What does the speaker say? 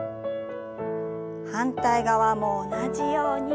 反対側も同じように。